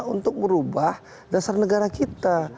untuk merubah dasar negara kita